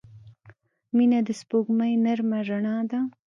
• مینه د سپوږمۍ نرمه رڼا ده.